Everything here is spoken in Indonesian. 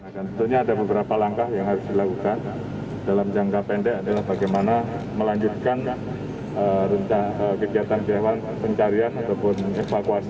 tentunya ada beberapa langkah yang harus dilakukan dalam jangka pendek adalah bagaimana melanjutkan kegiatan pencarian ataupun evakuasi